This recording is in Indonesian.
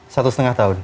satu setengah tahun